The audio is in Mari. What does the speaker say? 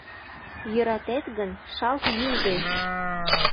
Йӧратет гын, шалт йӱлдӧ.